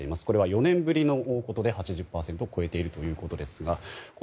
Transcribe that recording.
これは４年ぶりのことで８０％を超えているということですが。